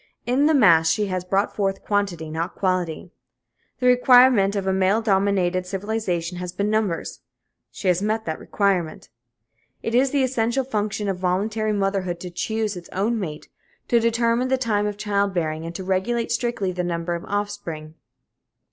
In the mass, she has brought forth quantity, not quality. The requirement of a male dominated civilization has been numbers. She has met that requirement. It is the essential function of voluntary motherhood to choose its own mate, to determine the time of childbearing and to regulate strictly the number of offspring.